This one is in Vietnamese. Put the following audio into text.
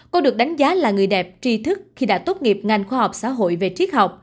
cô được đánh giá là người đẹp tri thức khi đã tốt nghiệp ngành khoa học xã hội về triết học